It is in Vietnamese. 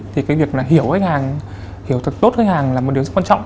thì cái việc là hiểu khách hàng hiểu thật tốt khách hàng là một điều rất quan trọng